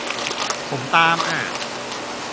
ผมตาม อะ